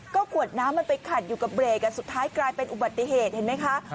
ก็ขวดน้ำมันไปขัดอยู่กับเบรกสุดท้ายกลายเป็นอุบัติเหตุเห็นไหมคะ